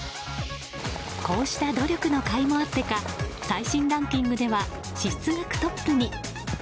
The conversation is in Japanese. こうした努力のかいもあってか最新ランキングでは支出額トップに！